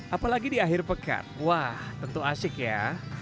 apalagi di akhir pekan wah tentu asik ya